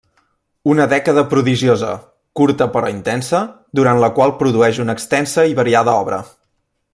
Una dècada prodigiosa, curta però intensa, durant la qual produeix una extensa i variada obra.